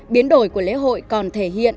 biến đổi của lễ hội còn thể hiện